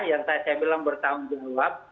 yang saya bilang bertanggung jawab